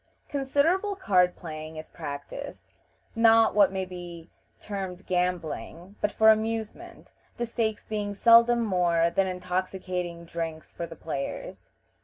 Considerable card playing is practiced; not what may be termed gambling, but for amusement, the stakes being seldom more than intoxicating drinks for the players.